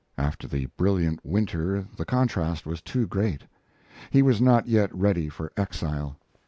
After the brilliant winter the contrast was too great. He was not yet ready for exile.